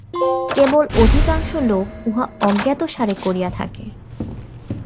কেবল অধিকাংশ লোক উহা অজ্ঞাতসারে করিয়া থাকে।